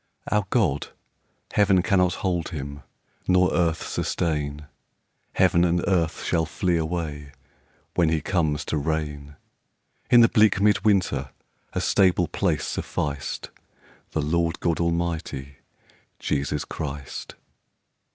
Our God, Heaven cannot hold him Nor earth sustain; Heaven and earth shall flee away, When he comes to reign. In the bleak mid winter A stable place sufficed The Lord God Almighty, Jesus Christ.